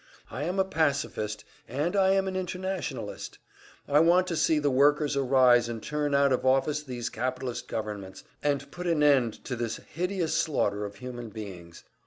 I am a pacifist, and I am an internationalist; I want to see the workers arise and turn out of office these capitalist governments, and put an end to this hideous slaughter of human beings.